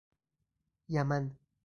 یمن